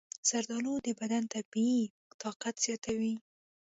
زردآلو د بدن طبیعي طاقت زیاتوي.